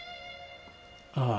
ああ。